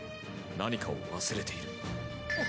何かを忘れている。